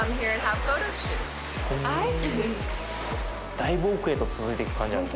だいぶ奥へと続いていく感じあるね。